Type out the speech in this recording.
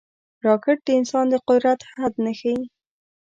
راکټ د انسان د قدرت حد نه ښيي